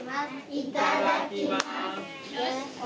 いただきます。